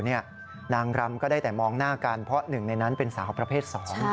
นางรำก็ได้แต่มองหน้ากันเพราะหนึ่งในนั้นเป็นสาวประเภทสอง